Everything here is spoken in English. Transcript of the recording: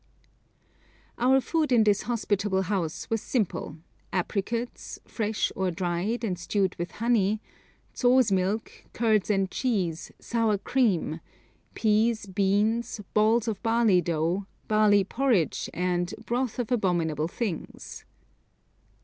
Our food in this hospitable house was simple apricots, fresh, or dried and stewed with honey; zho's milk, curds and cheese, sour cream, peas, beans, balls of barley dough, barley porridge, and 'broth of abominable things.'